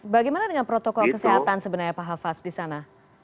bagaimana dengan protokol kesehatan sebenarnya pak hafaz di sana